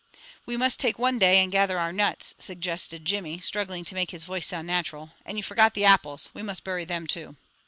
"We must take one day, and gather our nuts," suggested Jimmy, struggling to make his voice sound natural, "and you forgot the apples. We must bury thim too."